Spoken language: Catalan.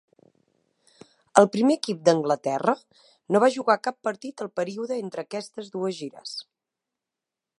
El primer equip d'Anglaterra no va jugar cap partit al període entre aquestes dues gires.